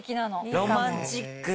ロマンチック！